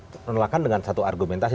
penolakan dengan satu argumentasi